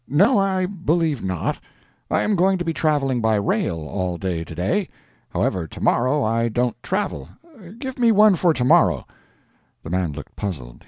"No, I believe not; I am going to be traveling by rail all day today. However, tomorrow I don't travel. Give me one for tomorrow." The man looked puzzled.